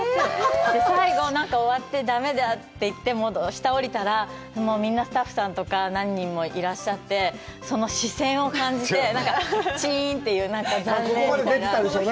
最後、終わってだめだって言って、下におりたら、スタッフさんとか、何人もいらっしゃって、その視線を感じて、チーンという、残念。